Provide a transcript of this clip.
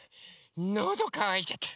のどかわいちゃった。